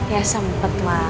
ya sempet ma